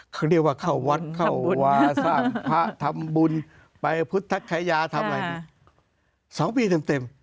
เขาเรียกว่าเข้าวัดเข้าวาสร้างพระทำบุญไปพุทธคยาทำอะไร๒ปีเต็ม